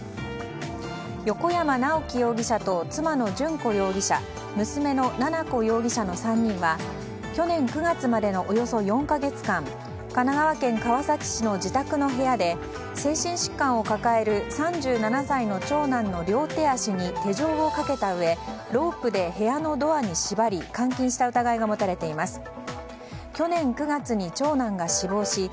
横山直樹容疑者と妻の順子容疑者娘の奈々子容疑者の３人は去年９月までのおよそ４か月間神奈川県川崎市の自宅の部屋で精神疾患を抱える３７歳の長男の両手足に手錠をかけたうえロープで部屋のドアに縛り監禁した疑いが持たれています。